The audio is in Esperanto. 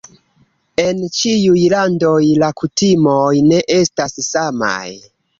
En ĉiuj landoj la kutimoj ne estas samaj.